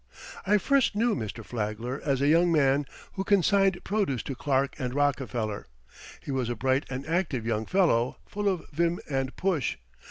I first knew Mr. Flagler as a young man who consigned produce to Clark & Rockefeller. He was a bright and active young fellow full of vim and push.